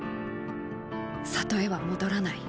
里へは戻らない。